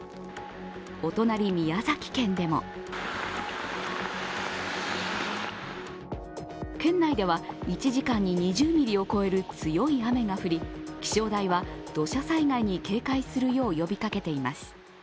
お隣・宮崎県でも県内では１時間に２０ミリを超える強い雨が降り、気象台は土砂災害に警戒するよう呼びかけています。